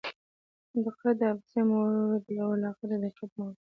دقت د حافظې مور دئ او علاقه د دقت مور ده.